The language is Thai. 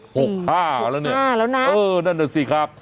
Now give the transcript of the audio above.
ปี๖๕แล้วนะเออนั่นแหละสิครับ